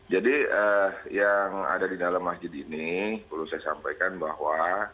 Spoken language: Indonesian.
jadi yang ada di dalam masjid ini perlu saya sampaikan bahwa